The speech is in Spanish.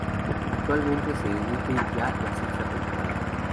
Actualmente se emite ya la sexta temporada.